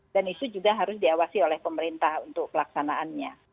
dan itu juga harus diawasi oleh pemerintah untuk pelaksanaannya